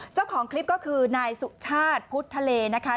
เจ้าของคลิปก็คือนายสุชาติพุทธทะเลนะคะ